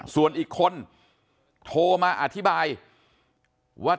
ส่วนอีกคนโทรมาอธิบายว่า